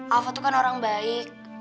aku tuh kan orang baik